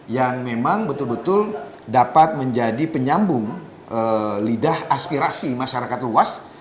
yang memang betul betul dapat menjadi penyambung lidah aspirasi masyarakat luas